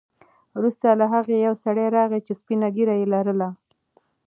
وروسته له هغه یو سړی راغی چې سپینه ږیره یې لرله.